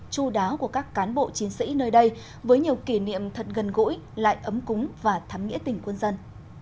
chu đáo của các cán bộ chiến sĩ nơi đây với nhiều kỷ niệm thật gần gũi lại ấm cúng và thắm nghĩa tình quân dân